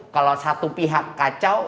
kalau satu pihak kacau